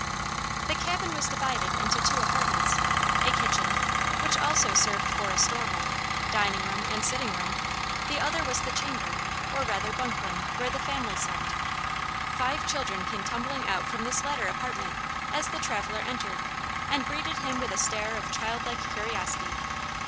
The cabin was divided into two apartments, a kitchen, which also served for a store room, dining room, and sitting room; the other was the chamber, or rather bunk room, where the family slept. Five children came tumbling out from this latter apartment as the traveler entered, and greeted him with a stare of childlike curiosity.